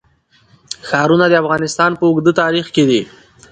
ښارونه د افغانستان په اوږده تاریخ کې دي.